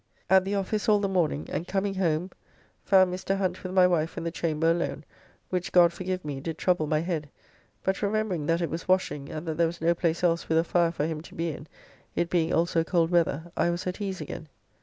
At the office all the morning, and coming home found Mr. Hunt with my wife in the chamber alone, which God forgive me did trouble my head, but remembering that it was washing and that there was no place else with a fire for him to be in, it being also cold weather, I was at ease again.